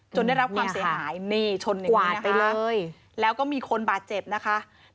จนได้รับความเสียหายชนอย่างนี้นะคะแล้วก็มีคนบาดเจ็บนะคะเนี่ยหายนี่ขวาดไปเลย